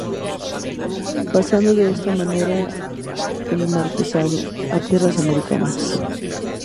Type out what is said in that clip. Pasando de esta manera el marquesado a tierras americanas.